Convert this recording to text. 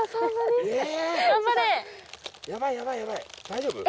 大丈夫？